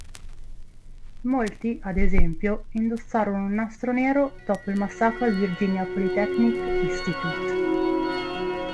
Molti ad esempio, indossarono un nastro nero dopo il massacro al Virginia Polytechnic Institute.